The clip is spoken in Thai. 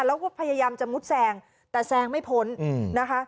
แล้วก็พยายามจะมุดแซงแต่แซงไม่พ้นนะคะ